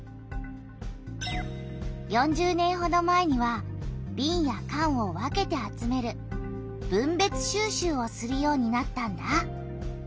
４０年ほど前にはびんやかんを分けて集める「分別収集」をするようになったんだ。